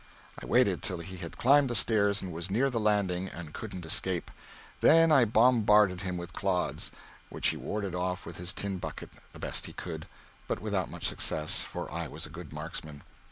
I waited till he had climbed the stairs and was near the landing and couldn't escape. Then I bombarded him with clods, which he warded off with his tin bucket the best he could, but without much success, for I was a good marksman.